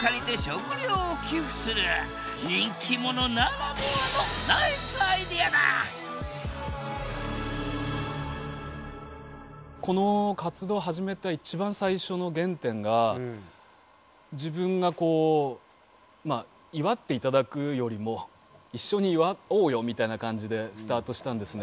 人気者ならではのこの活動を始めた一番最初の原点が自分がこう祝っていただくよりも一緒に祝おうよみたいな感じでスタートしたんですね。